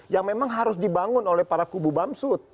yang memang harus dibangun oleh para kubu bamsud